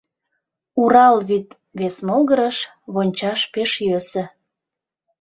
Урал вӱд вес могырыш вончаш пеш йӧсӧ.